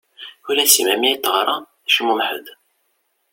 Ula d Sima mi i teɣra tecmumeḥ-d.